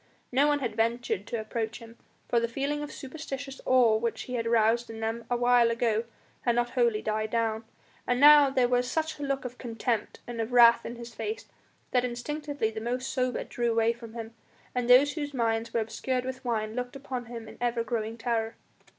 No one had ventured to approach him, for the feeling of superstitious awe which he had aroused in them a while ago had not wholly died down, and now there was such a look of contempt and of wrath in his face that instinctively the most sober drew away from him, and those whose minds were obscured with wine looked upon him in ever growing terror.